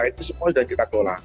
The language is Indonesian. itu semua sudah kita kelola